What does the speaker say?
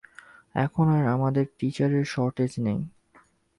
এখন আর আমাদের টীচারের শর্টেজ নেই।